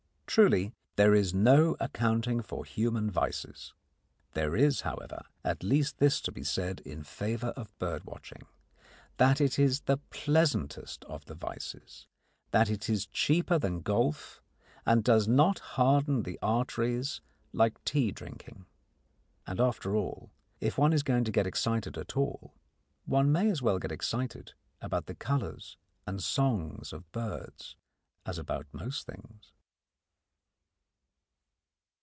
Truly, there is no accounting for human vices. There is, however, at least this to be said in favour of bird watching, that it is the pleasantest of the vices, that it is cheaper than golf, and does not harden the arteries like tea drinking. And after all, if one is going to get excited at all, one may as well get excited about the colours and songs of birds as about most things.